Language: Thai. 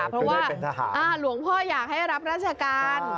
เพราะว่าหลวงพ่ออยากให้รับราชการ